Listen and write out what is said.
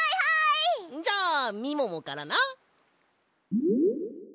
じゃあみももからな。